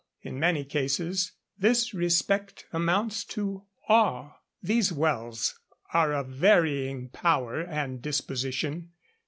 In many cases this respect amounts to awe. These wells are of varying power and disposition.